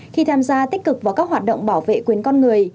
khi tham gia tích cực vào các hoạt động bảo vệ quyền con người